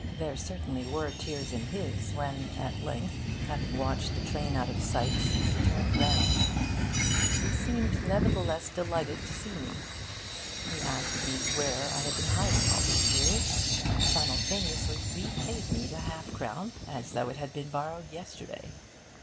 There certainly were tears in his when, at length, having watched the train out of sight, he turned round. He seemed, nevertheless, delighted to see me. He asked me where I had been hiding all these years; and simultaneously repaid me the half crown as though it had been borrowed yesterday.